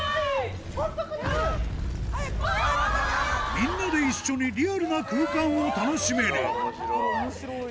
みんなで一緒にリアルな空間を楽しめるこれ面白い。